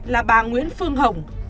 là bà nguyễn phương hồng